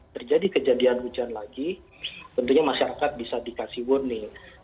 terjadi kejadian hujan lagi tentunya masyarakat bisa dikasih warning